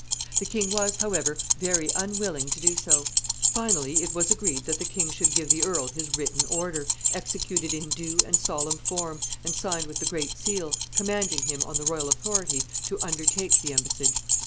The king was, however, very unwilling to do so. Finally, it was agreed that the king should give the earl his written order, executed in due and solemn form, and signed with the great seal, commanding him, on the royal authority, to undertake the embassage.